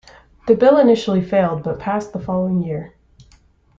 The bill initially failed, but passed the following year.